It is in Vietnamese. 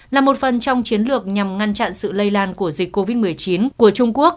là một phần trong chiến lược nhằm ngăn chặn sự lây lan của dịch covid một mươi chín của trung quốc